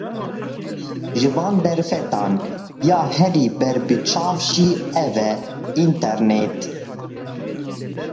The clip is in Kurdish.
Ji van derfetan ya herî berbiçav jî ev e: înternet